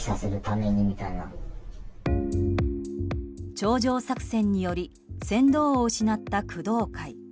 頂上作戦により船頭を失った工藤会。